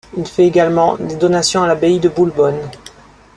Il fait également des donations à l'abbaye de Boulbonne.